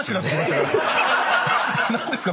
何ですか？